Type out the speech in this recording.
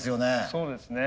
そうですね。